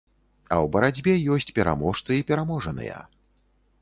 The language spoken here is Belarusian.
А ў барацьбе ёсць пераможцы і пераможаныя.